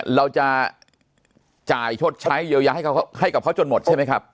บ้านเราเนี่ยเราจะจ่ายโชษใช้เยอะแยะให้กับเขาจนหมดใช่ไหมครับ